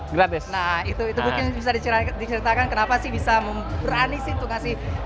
gratis nah itu mungkin bisa diceritakan kenapa sih bisa berani sih untuk ngasih